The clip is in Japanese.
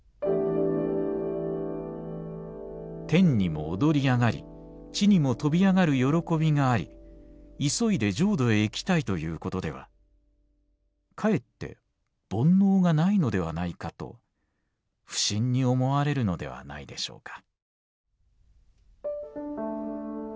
「天にも躍り上がり地にも跳び上がる喜びがあり急いで浄土へ行きたいということではかえって煩悩がないのではないかと不審に思われるのではないでしょうか」。